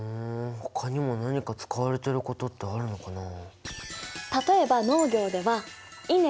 ほかにも何か使われてることってあるのかな？